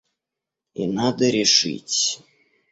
И надо решить...